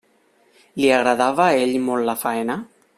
Li agradava a ell molt la faena?